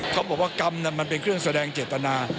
เขาบอกว่ากรรมมันเป็นเครื่องแสดงเจตนา